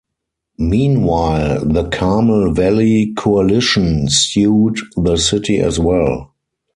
Meanwhile, the Carmel Valley Coalition sued the city as well.